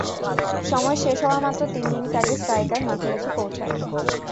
সময় শেষ হওয়া মাত্র তিন মিনিট আগে স্ট্রাইকার মাঠে এসে পৌঁছাই।